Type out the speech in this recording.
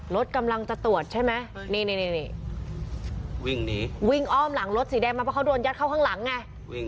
รถกำลังจะตรวจใช่ไหมนี่วิ่งหนีวิ่งอ้อมหลังรถสีแดงมาเพราะเขาโดนยัดเข้าข้างหลังไง